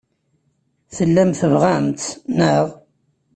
Tellam tebɣam-tt, naɣ?